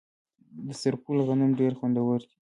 د سرپل غنم ډیر خوندور دي.